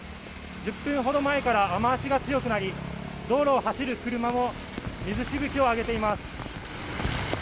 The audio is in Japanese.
１０分ほど前から雨脚が強くなり道路を走る車も水しぶきを上げています。